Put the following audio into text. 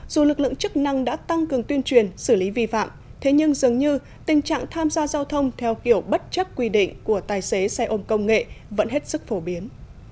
dù lực lượng chức năng đã tăng cường tuyên truyền xử lý vi phạm thế nhưng dường như tình trạng tham gia giao thông theo kiểu bất chấp quy định của tài xế xe ôm công nghệ vẫn hết sức phổ biến